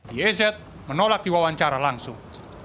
yezet menolak diwawancara langsung